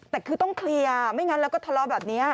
แต่คือต้องเคลียร์ไม่งั้นแล้วก็ทะเลาะแบบนี้